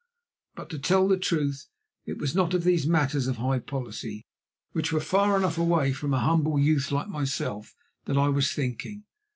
But, to tell the truth, it was not of these matters of high policy, which were far enough away from a humble youth like myself, that I was thinking.